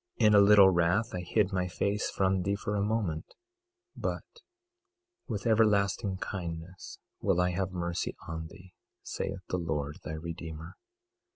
22:8 In a little wrath I hid my face from thee for a moment, but with everlasting kindness will I have mercy on thee, saith the Lord thy Redeemer.